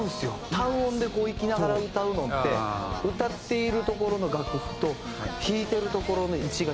単音で弾きながら歌うのんって歌っているところの楽譜と弾いているところの位置が違ったりすると。